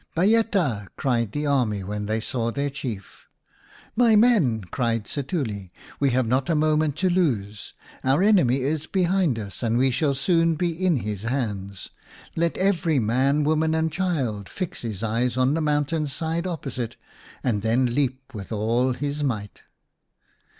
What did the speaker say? "Bay eta!" cried the army when they saw their Chief. " My men," cried Setuli, " we have not a moment to lose. Our enemy is behind us and we shall soon be in his hands. Let every man, woman, and child fix his eyes on the mountain side opposite and then leap with all his might."